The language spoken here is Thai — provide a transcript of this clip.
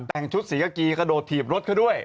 แต่งชุดศรีกากีกระโดดถีบรถเขาด้วย